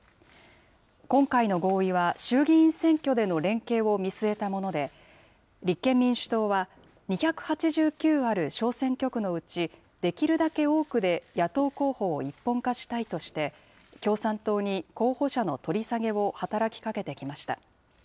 今回の合意は、衆議院選挙での連携を見据えたもので、立憲民主党は２８９ある小選挙区のうち、できるだけ多くで野党候補を一本化したいとして、共産党に候補者の取り下げを働きかけてきました。